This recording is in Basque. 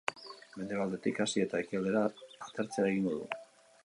Mendebaldetik hasi eta ekialdera, atertzera egingo du.